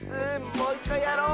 もういっかいやろう！